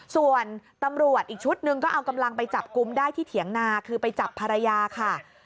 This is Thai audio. ส่วนตำรวจอีกชุดหนึ่งก็เอากำลังไปจับกลุ่มได้ที่เถียงนาคือไปจับภรรยาค่ะ